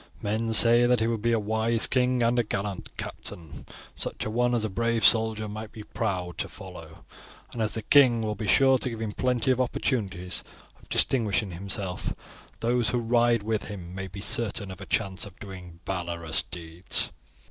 Men say that he will be a wise king and a gallant captain, such a one as a brave soldier might be proud to follow; and as the king will be sure to give him plenty of opportunities of distinguishing himself, those who ride with him may be certain of a chance of doing valorous deeds.